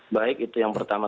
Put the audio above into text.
baik itu yang pertama